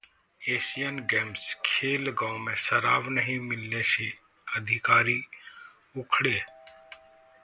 Asian Games: खेलगांव में शराब नहीं मिलने से अधिकारी उखड़े